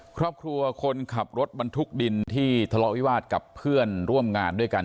คนขับรถบรรทุกดินที่ทะเลาะวิวาสกับเพื่อนร่วมงานด้วยกัน